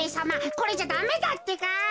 これじゃダメだってか。